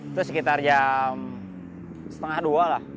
itu sekitar jam setengah dua lah